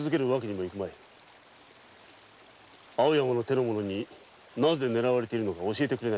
青山の手の者になぜ狙われているのか教えてくれ。